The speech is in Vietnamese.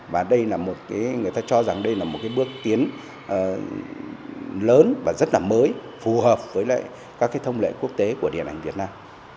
và người ta cho rằng đây là một bước tiến lớn và rất là mới phù hợp với các thông lệ quốc tế của điện ảnh việt nam